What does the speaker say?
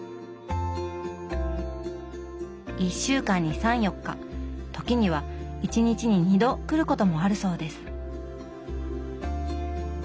１週間に３４日時には１日に２度来ることもあるそうです。